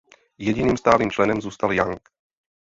Jediným stálým členem zůstal Young.